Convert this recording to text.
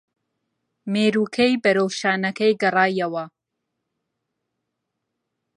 مێرووەکەی بەرەو شانەکەی گەڕایەوە